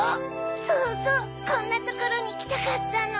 そうそうこんなところにきたかったの。